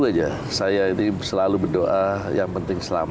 ini nanti nunggu munaslupnya kan baru berjalan